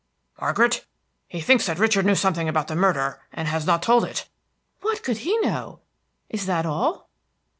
"Margaret, he thinks that Richard knew something about the murder, and has not told it." "What could he know? Is that all?"